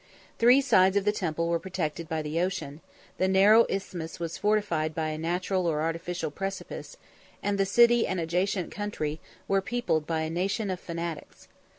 Three sides of the temple were protected by the ocean, the narrow isthmus was fortified by a natural or artificial precipice; and the city and adjacent country were peopled by a nation of fanatics.